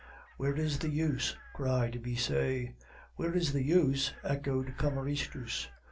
"Where is the use?" cried Brisset. "Where is the use?" echoed Cameristus.